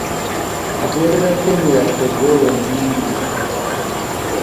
Ateebera ttiimu yaffe goolo nyingi.